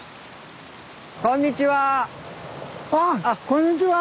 こんにちは。